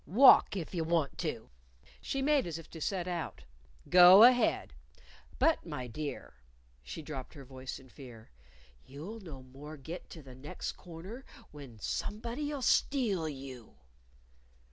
Walk if you want to." She made as if to set out. "Go ahead! But, my dear," (she dropped her voice in fear) "you'll no more'n git to the next corner when _somebody'll steal you!